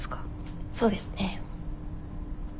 そうですね。